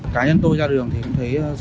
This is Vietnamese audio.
cá nhân tôi ra đường thì thấy rất là khó